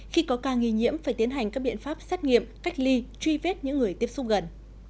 khi có ca nghi nhiễm phải tiến hành các biện pháp xét nghiệm cách ly truy vết những người tiếp xúc gần